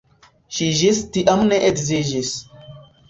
Ŝi ĝis tiam ne edziniĝis.